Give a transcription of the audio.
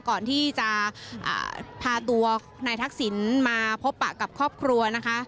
ก่อนที่จะพาตัวนายทักษิณมาพบปะกับครอบครัวนะคะ